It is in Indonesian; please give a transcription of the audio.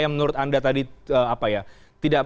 yang menurut anda tadi